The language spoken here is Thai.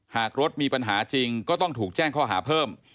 หากรถมีปัญหาจริงก็ต้องถูกแจ้งข้อหาเพิ่ม